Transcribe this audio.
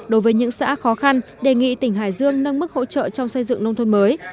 đối với những xã khó khăn đề nghị tỉnh hải dương nâng mức hỗ trợ trong xây dựng nông thôn mới